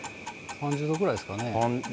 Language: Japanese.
３０度くらいですかね。